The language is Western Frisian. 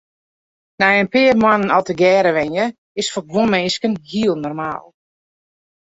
Nei in pear moannen al tegearre wenje is foar guon minsken heel normaal.